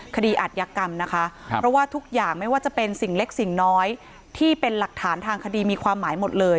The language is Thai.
คดีอัตยกรรมนะคะเพราะว่าทุกอย่างไม่ว่าจะเป็นสิ่งเล็กสิ่งน้อยที่เป็นหลักฐานทางคดีมีความหมายหมดเลย